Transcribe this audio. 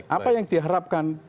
apa yang diharapkan